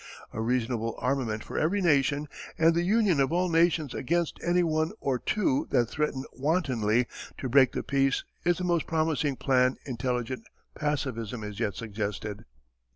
A reasonable armament for every nation, and the union of all nations against any one or two that threaten wantonly to break the peace is the most promising plan intelligent pacifism has yet suggested.